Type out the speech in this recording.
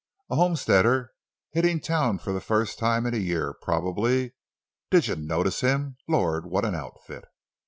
A homesteader hitting town for the first time in a year, probably. Did you notice him? Lord, what an outfit!"